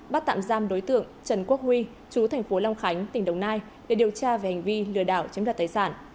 bắt tạm giam đối tượng trần quốc huy chú thành phố long khánh tỉnh đồng nai để điều tra về hành vi lừa đảo chiếm đoạt tài sản